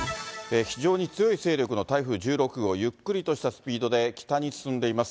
非常に強い勢力の台風１６号、ゆっくりとしたスピードで北に進んでいます。